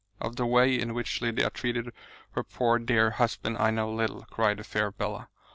"Of the way in which Lydia treated her poor dear husband I know little," cried the fair Bella.